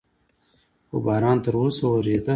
خو باران تر اوسه ورېده.